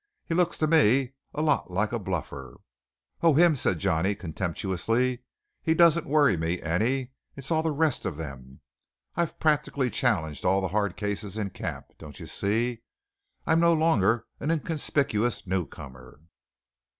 He looks to me a lot like a bluffer." "Oh, him!" said Johnny contemputously, "he doesn't worry me any. It's all the rest of them. I've practically challenged all the hard cases in camp, don't you see? I'm no longer an inconspicuous newcomer.